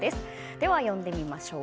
では呼んでみましょう。